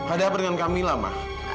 ada apa dengan kamila ma